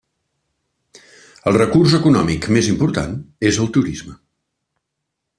El recurs econòmic més important és el turisme.